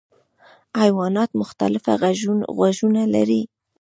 حیوانات مختلف غږونه لري.